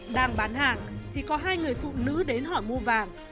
đang bán hàng thì có hai người phụ nữ đến hỏi mua vàng